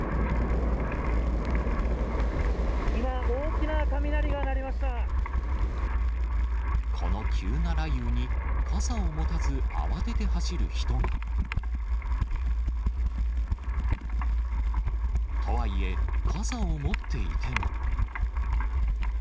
今、この急な雷雨に、傘を持たず慌てて走る人が。とはいえ、傘を持っていても。